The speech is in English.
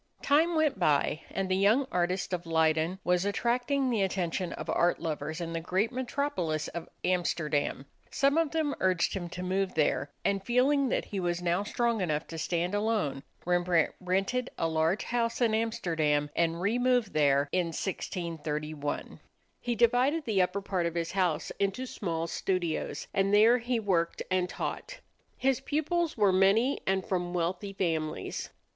Time went by, and the young artist of Leyden was attracting the attention of art lovers in the great metropolis of Amsterdam. Some of them urged him to move there; and feeling that he was now strong enough to stand alone, Rembrandt rented a large house in Amsterdam and removed there in 1631. He divided the upper part of his house into small studios, and there he worked and taught. His pupils were many and from wealthy families.